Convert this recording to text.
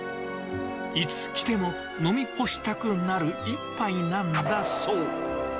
いつ来ても飲み干したくなる一杯なんだそう。